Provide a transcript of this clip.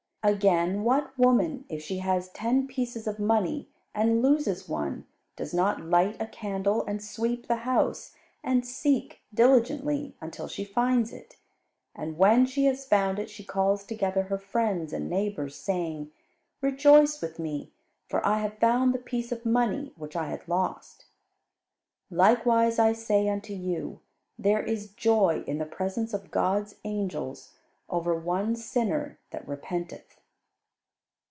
"Again, what woman if she has ten pieces of money, and loses one, does not light a candle, and sweep the house, and seek diligently until she finds it? And when she has found it, she calls together her friends and neighbours, saying, 'Rejoice with me, for I have found the piece of money which I had lost.' "Likewise, I say unto you, there is joy in the presence of God's angels over one sinner that repenteth."